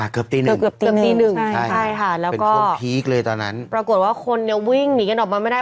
เกือบตีหนึ่งเป็นโครงพีคเลยตอนนั้นแล้วก็ปรากฏว่าคนเนี่ยวิ่งหนีกันออกมาไม่ได้